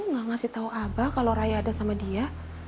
gak ngasih tau abah kalo raya ada sama dia